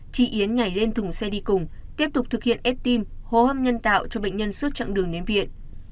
chị yến nhảy lên thùng xe đi cùng tiếp tục thực hiện ép tim hô hấp nhân tạo cho bệnh nhân suốt chặng đường đến viện